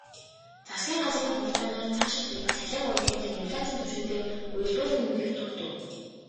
Засгийн газрын хуралдаанаар цаашид цалин урамшууллыг инфляцын түвшинтэй уялдуулан нэмэхээр тогтов.